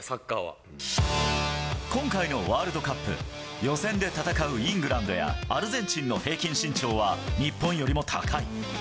今回のワールドカップ、予選で戦うイングランドやアルゼンチンの平均身長は日本よりも高い。